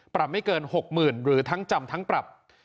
ปรับไม่เกิน๖หมื่นหรือทั้งจำทั้งปรับ